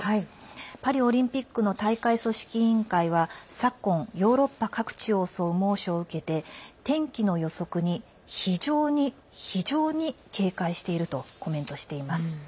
パリオリンピックの大会組織委員会は昨今ヨーロッパ各地を襲う猛暑を受けて、天気の予測に非常に、非常に、警戒しているとコメントしています。